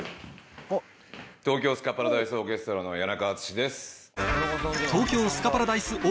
東京スカパラダイスオーケストラの谷中敦です。